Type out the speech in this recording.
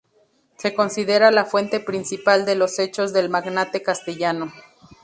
Se considera la fuente principal de los hechos del magnate castellano.